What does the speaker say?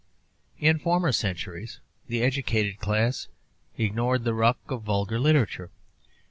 In former centuries the educated class ignored the ruck of vulgar literature.